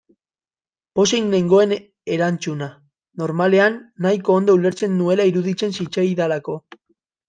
Pozik nengoen erantzuna, normalean, nahiko ondo ulertzen nuela iruditzen zitzaidalako.